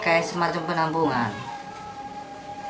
kayak semacam penampungan